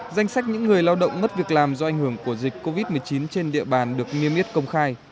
danh sách những người lao động mất việc làm do ảnh hưởng của dịch covid một mươi chín trên địa bàn được nghiêm yết công khai